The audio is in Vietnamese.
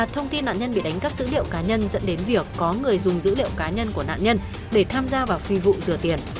thông tin nạn nhân bị đánh cắp dữ liệu cá nhân dẫn đến việc có người dùng dữ liệu cá nhân của nạn nhân để tham gia vào phi vụ rửa tiền